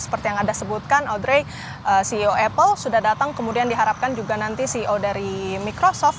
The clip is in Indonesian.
seperti yang anda sebutkan audrey ceo apple sudah datang kemudian diharapkan juga nanti ceo dari microsoft